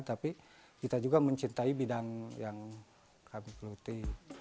tapi kita juga mencintai bidang yang kami peluti